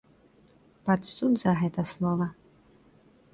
Пад суд за гэта слова!